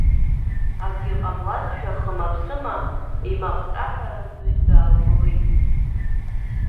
Акгьы ҟамлаӡазшәа хымаԥсыма имаҟҿаҳәаранӡа даалкәабеит.